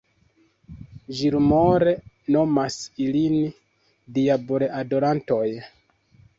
Gilmore nomas ilin "diabol-adorantoj.